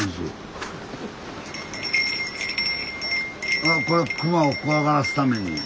ああこれ熊を怖がらすために。